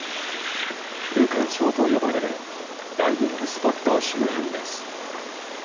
ルカン礁と呼ばれるダイビングスポット周辺です。